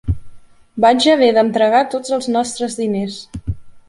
Vaig haver d'entregar tots els nostres diners.